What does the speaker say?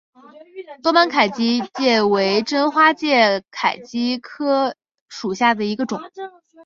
多斑凯基介为真花介科凯基介属下的一个种。